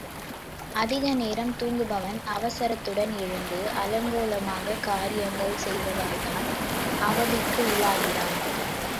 அதிக நேரம் தூங்குபவன், அவசரத்துடன் எழுந்து அலங்கோலமாக காரியங்கள் செய்வதால்தான் அவதிக்கு உள்ளாகிறான்.